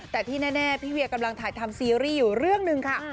แต่ที่แน่พี่เวียกำลังถ่ายทำซีรีส์อยู่เรื่องหนึ่งค่ะ